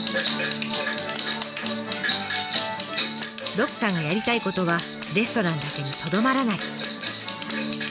鹿さんがやりたいことはレストランだけにとどまらない。